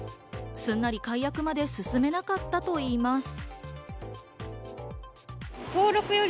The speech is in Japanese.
すんなり解約まで進めなかったといいます。